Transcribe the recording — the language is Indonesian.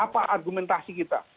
apa argumentasi kita